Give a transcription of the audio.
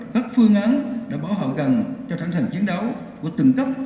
các phương án để bảo hậu cần cho thẳng thẳng chiến đấu của từng cấp